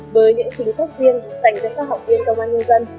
với những chính sức riêng dành cho các học viên công an nhân dân